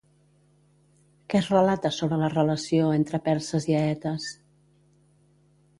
Què es relata sobre la relació entre Perses i Eetes?